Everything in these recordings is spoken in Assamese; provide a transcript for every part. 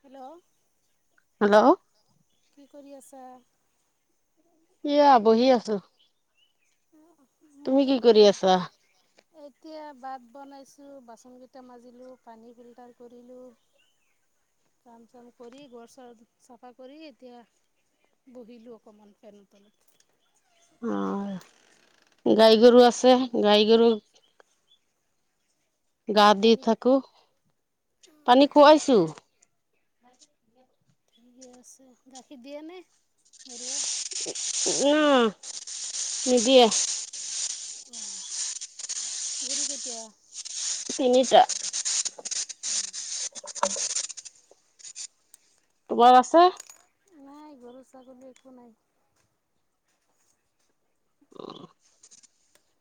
হেল্লো'। হেল্লো'। কি কৰি আছা? এয়া বহি আছো। তুমি কি মইয়ো কৰি আছা এতিয়া ভাত বনাইছো। বাচনকেইটা মাজিলোঁ, পানী ফিল্টাৰ কৰিলোঁ। কাম চাম কৰি, ঘৰ চৰ চফা কৰি এতিয়া। বহিলোঁ অকণমান ফেনৰ তলত। আহ গাই গৰু আছে গাই গৰু। গা দি পানী থাকো পানী খোৱাইছো। ঠিকে আছে গাখীৰ দিয়ে নে? নিদিয়ে। অ গৰু কেইটা? তিনিটা। তোমাৰ আছে? নাই গৰু ছাগলী একো নাই।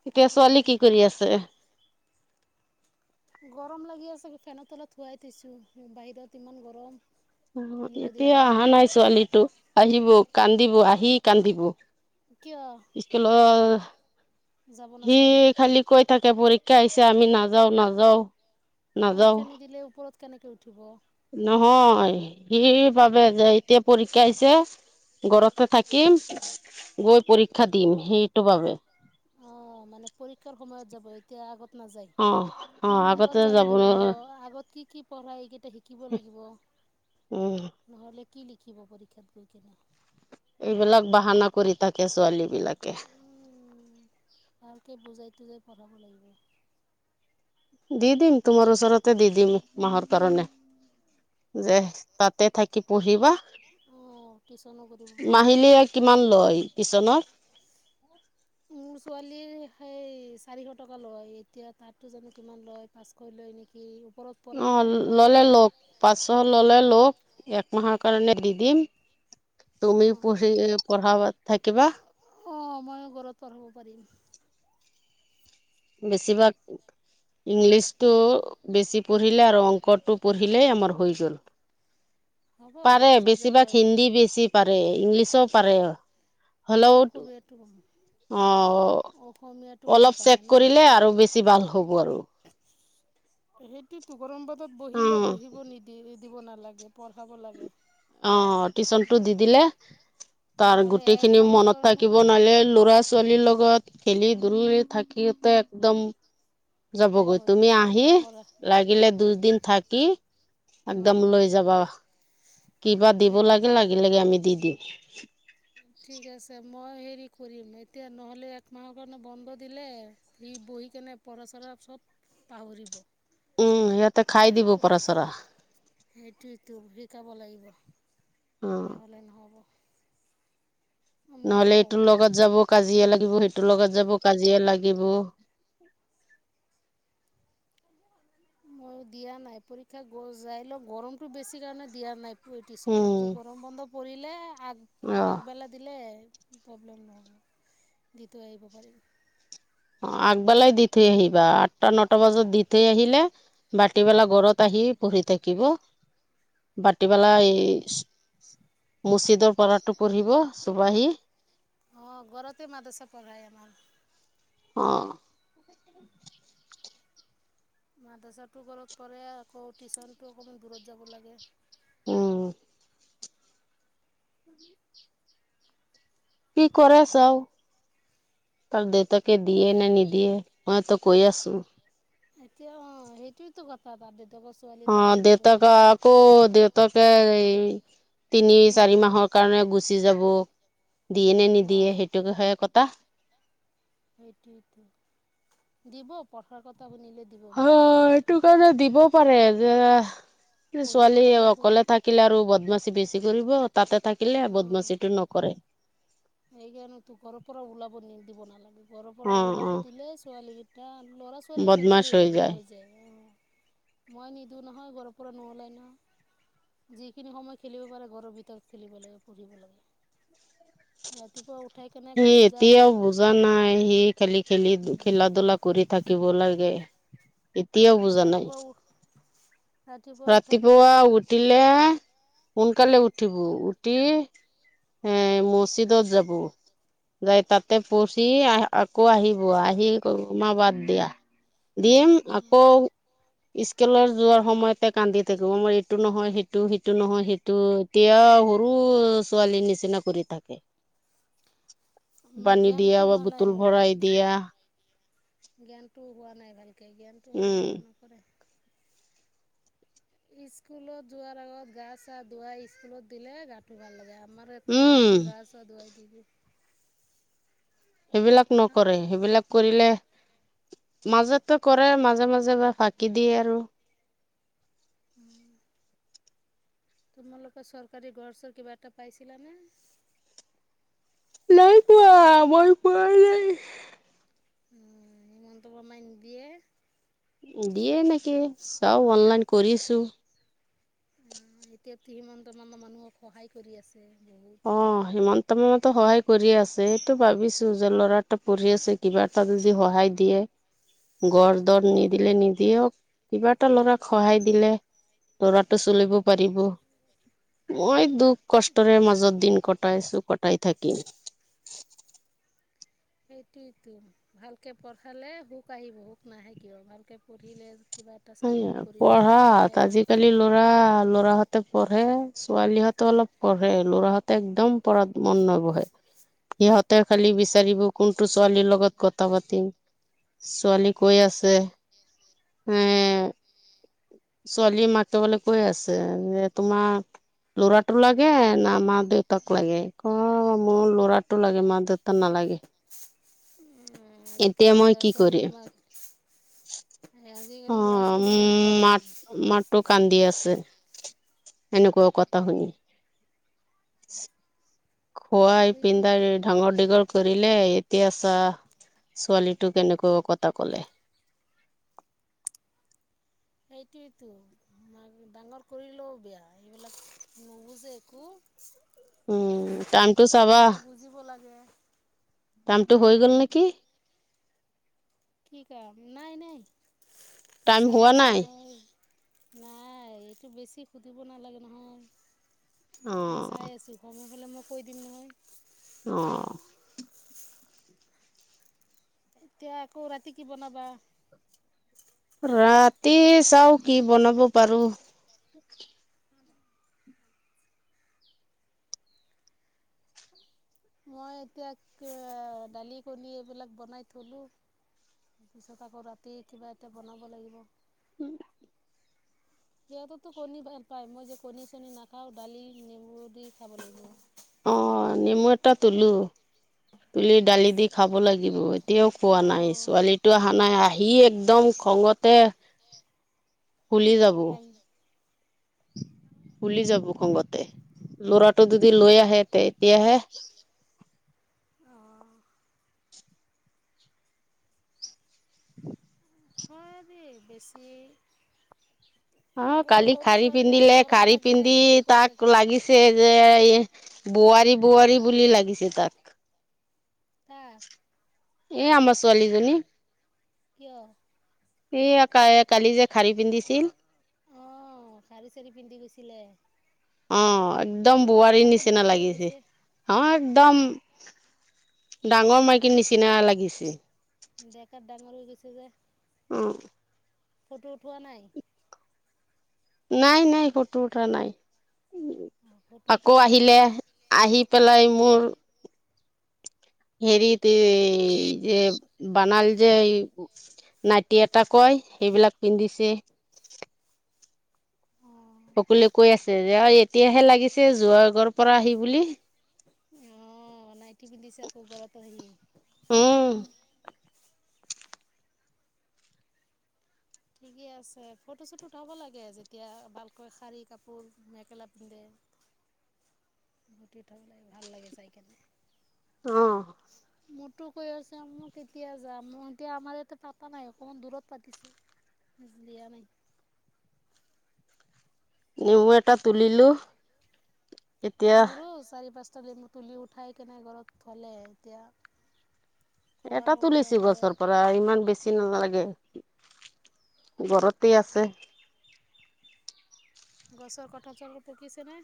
এতিয়া গৰু ছোৱালী কি ছাগ কৰি আছে? গৰম লাগি আছে ফেনত তলত শুৱাই থৈছো, বাহিৰত ইমান গৰম। অ' খেলিব দিয়া এতিয়া অহা নাই ছোৱালীটো আহিব কান্দিব আহি কান্দিব। কিয় স্কুলত যাব সি নাচায় খালি কৈ থাকে পৰীক্ষা। আহিছে আমি নাযাও নাযাও। নাযাও পৰীক্ষা নিদিলে ওপৰত কেনেকে উঠিব। নহয় সি ভাবে যে এতিয়া পৰীক্ষা আহিছে। ঘৰতে থাকিম গৈ পৰীক্ষা দিম সেইটো বাবে। অ মানে পৰীক্ষাৰ সময়ত যাব এতিয়া আগত। নাযায়। অ অ আগতে আগত যাব লাগিব উম আগত কি কি পঢ়াই। শিকিব লাগিব। নহ'লে কি লিখিব পৰীক্ষাত গৈ কেনে। এইবিলাক বাহানা কৰি থাকে ছোৱালী। বিলাকে উ ভালকে বুজাই তুজাই পঢ়াব লাগিব।। দি দিম তোমাৰ ওচৰতে দি দিম মাহৰ কাৰণে। যে তাতে থাকি পঢ়িবা। অঁ টিউচনো কৰিব পাৰিব মাহিলীয়ে কিমান লয় টিউশ্যনত? [inaudible] মোৰ ছোৱালীৰ সেই চাৰিশ টকা লয়। এতিয়া তাতো জানো কিমান লয় পাঁচশ লয় নেকি? ওপৰত পৰে অ নহয় ক্লাছ ললে ফাইভ লক পাঁচশ ললে লক একমাহৰ কাৰণে দি দিম তুমিও পঢ়ি পঢ়াবা থাকিবা। অ ময়ো ঘৰত পঢ়াব পাৰিম। বেছিভাগ ইংলিছটো বেছি পঢ়িলে আৰু অংকটো পঢ়িলেই আমাৰ হৈ গ'ল। হ'ব পাৰে দুটা বেছিভাগ ছাবজেক্ট হিন্দী বেছি পাৰে ইংলিছো পাৰে। হ'লেও অসুবিধাটো ক অ কম অলপ চেক পাৰে ন কৰিলে আৰু বেছি ভাল হ'ব আৰু সেইটোতো গৰম বন্ধত অ বহিলে বহিব নিদি দিব নালাগে পঢ়াব লাগে। অঁ টিউচনটো দি দিলে তাৰ নহ'লে গোটেই এক খিনি মাহৰ মনত কাৰণে থাকিব নহলে ল'ৰা ছোৱালীৰ লগত খেলি ধুলি থাকোতে একদম বেয়া যাবগৈ হৈ তুমি যায় আহি পঢ়া লাগিলে দুদিন থাকি একদম অঁ লৈ যাবা কিবা দিব সেই লাগে লাগিলে লাগে আমি দি দিম ঠিক আছে মই হেৰি কৰিম এতিয়া নহ'লে একমাহৰ কাৰণে বন্ধ দিলে সি বহি কেনে পঢ়া চৰা তাৰপিছত পাহৰিব উম সিহঁতে খাই দিব পৰাচৰা সেইটোতো শিকাব লাগিব অ নহ'লে নহব নহলে ময়ো এইটো লগত যাব কাজিয়া লাগিব সেইটো তোৰ লগত যাব কাজিয়া লাগিব মই দিয়া নাই পৰীক্ষা গৈ যাই লওঁ গৰমতটো বেছি কাৰণে দিয়া নাই ঐটিচ উম [unintelligible] গৰম বন্ধ পৰিলে আগ অ আগবেলা দিলে প্ৰব্লেম নহব দি থৈ আহিব পাৰিব অ আগবেলাই দি থৈ আহিবা আঠটা নটা বজাত দি থৈ আহিলে ভাটিবেলা গৰত আহি পঢ়ি থাকিব ভাটিবেলা এই মুছিদৰ পঢ়াটো পঢ়িব চোবাহি আহ ঘৰতে মাদ্ৰাছা পঢ়ায় আমাক অ মাদ্ৰাছাটো ঘৰত পঢ়ে আকৌ টিউশ্যনতো অকমান দূৰত যাব লাগে। উম কি কৰে ছাও তাৰ দেউতাকে দিয়ে নে নিদিয়ে মইতো কৈ আছো এতিয়া অ সেইটোয়েতো কথা তাতে অ দেউতাকে আকৌ দেউতাকে এই তিনি চাৰি নিদেখ মাহৰ কাৰণে গুচি যাব দিয়ে নে নিদিয়ে অঁ সেইটোকে হয় কথা সেইটো দিব পঢ়াৰ কথা শুনিলে দিব হ মানা নিদিয়ে সেইটো কাৰণে দিব পাৰে যে পঢ়িবৰ ছোৱালী কাৰণে শুনি অকলে থাকিলে আৰু বদমাচি বেছি কৰিব তাতে থাকিলে অঁ বদমাছীটো নকৰে সেইকাৰণে তো ঘৰৰ পৰা ওলাব নিদিব নালাগে ঘৰৰ পৰা অ অ ওলাব দিলে ছোৱালী কেইটা ল'ৰা ছোৱালী সকলোৱে বেয়া হৈ যায় অ মই নিদু নহয় ঘৰৰ পৰা নোলাই ন যিখিনি সময় খেলিব পাৰে ঘৰৰ ভিতৰত খেলিব লাগে পঢ়িব লাগে ৰাতিপুৱা উঠাই কেনে সি কৈছোঁ যা এতিয়াও পঢ় বুজা নাই সি খেলি খেলি খেলা ধূলা কৰি থাকিব লাগে এতিয়াও বুজা নাই ৰাতিপুৱা উঠাই কেনে ৰাতিপুৱা মোক উঠিলে সোনকালে উঠিব উঠি এ মজিদত যাব যাই তাতে পচি আহ আকৌ আহিব আহি মা বাত দিয়া। দিম আকৌ স্কেলৰ যোৱাৰ সময়তে কান্দি থাকিব মই এইটো নহয় ইটো নহয় সিটো, সিটো নহয় সেটো এতিয়াও সৰু- ছোৱালীৰ নিচিনা কৰি থাকে। পানী জ্ঞানটো দিয়া বা হোৱা নাই বুটল মূৰত ভৰাই দিয়া জ্ঞানটো হোৱা নাই ভালকে জ্ঞানটো হলে উম এনেকা নকৰে। স্কুলত যোৱাৰ আগত গা চা ধুৱাই স্কুলত দিলে গাটো ভাল লাগে আমাৰেতো উম এনেকে গা ছা ধুৱাই দি দিও। সেইবিলাক নকৰে সেইবিলাক কৰিলে মাজতটো কৰে মাজে -মাজে বা ফাঁকি দিয়ে আৰু। [inaudible] তোমালোকৰ চৰকাৰী ঘৰ -ছৰ কিবা এটা পাইছিলানে? নাই পোৱা মই পোৱা নাই। উম, হিমন্ত মামাই নিদিয়ে। দিয়ে নেকি চাও অনলাইন কৰিছো। উম, এতিয়াতো হিমন্ত মামাই মানুহক সহায় কৰি আছে। বহুত অহ, হিমন্ত তমাৰ মতে সহায় কৰিয়ে আছে সেইটো ভাবিছো যে ল'ৰা এটা পঢ়ি আছে কিবা এটা যদি সহায় দিয়ে। গ়ৰ দৰ নিদিলে নিদিয়ক কিবা এটা ল'ৰাক সহায় দিলে ল'ৰাটো চলিব পাৰিব, মই দুখ কষ্টৰে মাজত দিন কটাইছো কটাই থাকিম। সেইটোয়েতো ভালকে পঢ়ালে সুখ আহিব সুখ নাহে কিয় ভালকে পঢ়িলে কিবা এটা চাকৰি সেয়া কৰিলে তেনেহ'লে পঢ়াত শান্তি আজিকালি হ'ব ল'ৰা -ল'ৰাহতে পঢ়ে ছোৱালীহতো অলপ পঢ়ে ল'ৰাহঁতে একদম পঢ়াত মন নবহে। সিহঁতে খালি বিচাৰিব কোনটো ছোৱালীৰ লগত কথা পাতিম। ছোৱালী কৈ আছে এ ছোৱালী মাকে বুলে কৈ আছে যে তোমাক ল'ৰাটো লাগে না মা দেউতাক লাগে কই মোৰ ল'ৰাটো লাগে মাক -দেউতা নালাগে। লাগে। আজিকালি ল'ৰা - ছোৱালীৰ মাক আজিকালি ল'ৰা অহ, ছোৱালী উম এনেকুৱাই মাত -মাতটো কান্দি আছে। [unintelligible] এনেকুৱা কথা শুনি। খোৱাই সেইটোৱেতো পিন্ধাই ডাঙৰ দীঘল কৰিলে এতিয়া চা- ছোৱালীটোক কেনেকুৱা কটা ক'লে। [inaudible] সেইটোৱেতো মান ডাঙৰ কৰিলেও বেয়া এইবিলাক নুবুজে একো। উম, টাইমটো চাবা। বুজিব লাগে কামটো হৈ গ'ল নেকি? কি কাম নাই -নাই মই টাইম চাই হোৱা আছো নাই নহয়। নাই এইটো বেছি সুধিব নালাগে নহয়। অ মই চাই আছো সময় হলে মই কৈ দিম নহয়। অহ এতিয়া আকৌ ৰাতি কি বনাবা? ৰাতি চাও কি বনাব পাৰো। মই এতিয়া দালি, কণী এইবিলাক বনাই থলো। তাৰপিছত আকৌ ৰাতি কিবা এটা বনাব লাগিব। [unintelligible] সিহঁততো কণী ভাল পায় মই যে কণী -চণী নাখাওঁ দালি নেমু দি খাব লাগিব। অহ, নিমু এটা তুলো। তুলি দালি দি খাব লাগিব লাগিব, এতিয়াও আ খোৱা নাই অঁ ছোৱালীটো আহা নাই আহি একদম খঙতে ফুলি যাব তাই [unintelligible] ফুলি যাব খঙতে ল'ৰাটো যদি লৈ আহে এতিয়াহে আহঁ [inaudible] হয়দে বেছি অ কালি সৰু শাৰী ছোৱালী আৰু পিন্ধিলে গৰম শাৰী লাগে পিন্ধি খং কৰি তাক থাকে লাগিছে যে ই বোৱাৰী বোৱাৰী বুলি লাগিছে তাক। তাক এ আমাৰ ছোৱালীজনী। কিয়? এই কালি যে শাৰী পিন্ধিছিল। আহ শাৰী চাৰী পিন্ধি গৈছিলে। অ একদম বোৱাৰীৰ ডেকাটো নিচিনা ডাঙৰ হৈ লাগিছে গৈছে হ একদম [unintelligible] ডাঙৰ মাইকীৰ নিচিনা লাগিছে। ডেখাত ডাঙৰ হৈ গৈছে যে আহ ফটো উঠোৱা নাই? নাই-নাই ফটো উঠোৱা নাই। ফটো [inaudible] এটা আকৌ উঠাই ল আহিলে আহি পেলাই মোৰ হেৰিতি এ যে বানাল যে নাইটি এটা কয় সেইবিলাক পিন্ধিছে। [unintelligible] অঁ সকলোৱে কৈ আছে যে এতিয়াহে লাগিছে যোৱা আগৰ পৰা আহি বুলি। অ নাইতি পিন্ধিছে আকৌ গলৰতো হেই উম ঠিকে আছে ফটো-চুটো উঠাব লাগে যেতিয়া ভালকৈ শাৰী কাপোৰ মেখেলা পিন্ধে। [unintelligible] ঘটি উ থব লাগে ভাল লাগে চাই কিনে আহ মোৰতো কৈ আছো মই কেতিয়া যাম মোৰ এতিয়া আমাৰ ইয়াতে পাতা নাই অকমান দূৰত পাতিছো। বজ লিয়া নাই। [inaudible] নেমু এটা তুলিলো এতিয়া মোৰো চাৰি পাঁচটা দিন তুলি উঠাই কেনে ঘৰত থলে এতিয়া খোৱাৰ এটা সময় তুলিছোঁ আহিলে গছৰ পৰা ইমান বেছি নালাগে। ঘৰতেই আছে গছৰ কঁঠাল চঠাল পকিছে নে?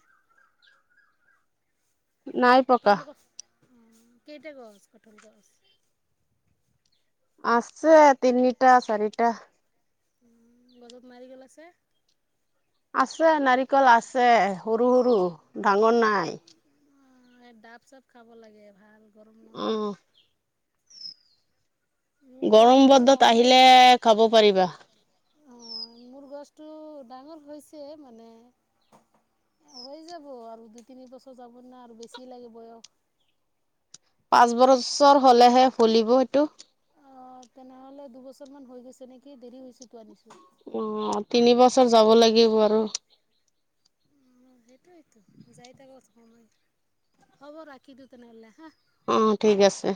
নাই পকা। উ কেইটা গছ কঁঠাল গছ? আছে তিনিটা চাৰিটা। গছত নাৰিকল আছে? আছে নাৰিকল আছে সৰু-সৰু ডাঙৰ নাই। অ ডাব চাব খাব লাগে ভাল গৰম নহয়। উম মোৰ গৰম গছটো বন্ধত ডাঙৰ আহিলে হৈ খাব পাৰিবা গৈছে অ মোৰ গছ টো ডাঙৰ হৈছে মানে হৈ যাব আৰু দুই তিনি বছৰ যাব না আৰু বেছি লাগে বয়স পাঁচ বছৰ হলেহে ফুলিব এইটো। অ তেনেহলে দুবছৰ মান হৈ গৈছে নেকি দৰি হৈছে তো আনিছো অ তিনি বছৰ যাব লাগিব আৰু সেইটোৱেইতো যাই থাকক হ'ব ৰাখি দিওঁ তেনেহ'লে হা। উম', ঠিক আছে।